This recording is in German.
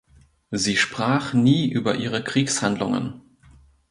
Sie sprach nie über ihre Kriegshandlungen.